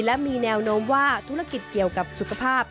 และมีแนวโน้มว่าธุรกิจเกี่ยวกับสุขภาพ